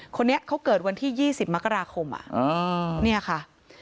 คนนี้เขาเกิดวันที่๒๐มกราคมเนี่ยค่ะ